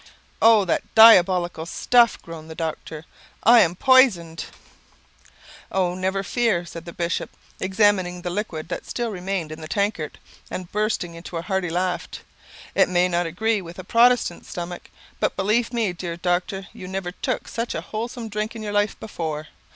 "Oh, that diabolical stuff!" groaned the doctor. "I am poisoned." "Oh, never fear," said the bishop, examining the liquid that still remained in the tankard, and bursting into a hearty laugh, "It may not agree with a Protestant's stomach, but believe me, dear doctor, you never took such a wholesome drink in your life before.